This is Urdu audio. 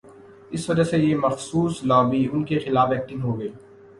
اس وجہ سے یہ مخصوص لابی ان کے خلاف ایکٹو ہو گئی۔